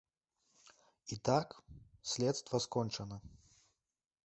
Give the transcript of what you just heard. І так, следства скончана.